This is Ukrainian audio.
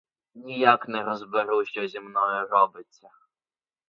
Ніяк не розберу, що зі мною робиться?